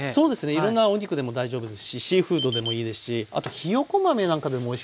いろんなお肉でも大丈夫ですしシーフードでもいいですしあとひよこ豆なんかでもおいしかったですよ。